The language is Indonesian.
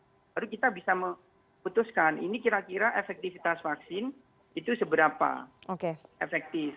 baru kita bisa memutuskan ini kira kira efektivitas vaksin itu seberapa efektif